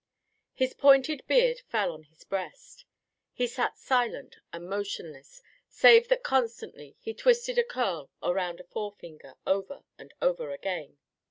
His pointed beard fell on his breast. He sat silent and motionless, save that constantly he twisted a curl around a forefinger, over and over again.